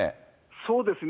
そうですね。